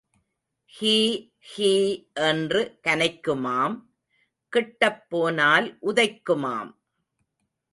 He.. ஹீ என்று கனைக்குமாம், கிட்டப் போனால் உதைக்குமாம்.